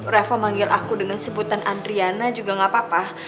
revo manggil aku dengan sebutan andriana juga gak apa apa